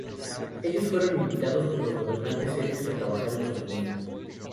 Ellos fueron invitados por los gobernantes serbios a trabajar en sus dominios.